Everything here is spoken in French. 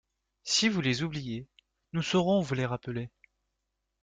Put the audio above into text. Si vous les oubliez, nous saurons vous les rappeler.